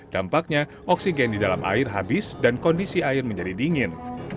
dampaknya oksigen di dalam air habis dan kondisi air menjadi dingin